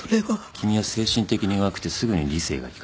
君は精神的に弱くてすぐに理性が利かなくなる。